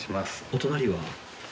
お隣は？